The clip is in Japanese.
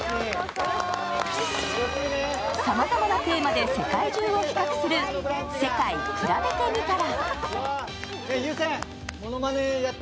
さまざまなテーマで世界中を比較する「世界くらべてみたら」。